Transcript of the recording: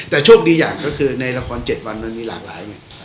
แต่โชคดีอย่างก็คือในละคร๗วันมันมีหลากหลายไง